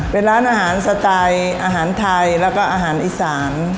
เป็นร้านอาหารสไตล์อาหารไทยแล้วก็อาหารอีสาน